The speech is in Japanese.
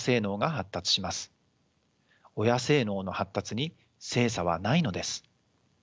親性脳の発達に性差はないのです。